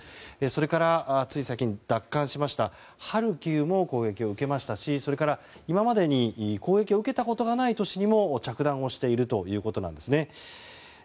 それから、つい最近奪還しましたハルキウも攻撃を受けましたし今までに攻撃を受けたことがない都市にも着弾しているということです。